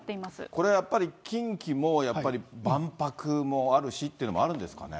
これやっぱり、近畿もやっぱり万博もあるしっていうのもあるんですかね。